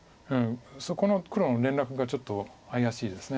そこの黒の連絡がちょっと怪しいです。